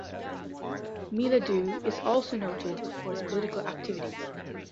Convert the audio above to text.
Miladhoo is also noted for its political activities.